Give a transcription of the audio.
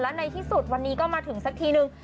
และในที่สุดวันนี้ก็มาถึงสักทีนึง